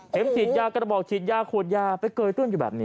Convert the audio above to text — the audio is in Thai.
เห็นติดยากระบอกชิดยากโคดยาไปเกยต้นอยู่แบบนี้